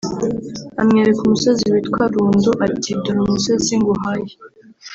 amwereka umusozi witwa Rundu ati “Dore umusozi nguhaye